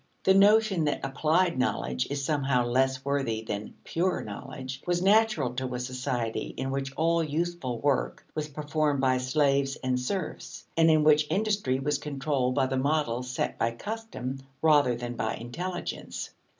The notion that "applied" knowledge is somehow less worthy than "pure" knowledge, was natural to a society in which all useful work was performed by slaves and serfs, and in which industry was controlled by the models set by custom rather than by intelligence.